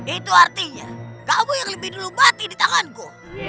itu artinya kamu yang lebih dulu mati di tanganku